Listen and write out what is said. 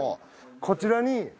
こちらに。